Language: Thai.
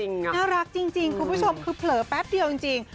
น่ารักจริงคุณผู้ชมเปลอะแป๊บเดียวกันจริง